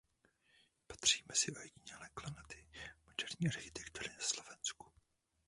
Patří mezi ojedinělé klenoty moderní architektury na Slovensku.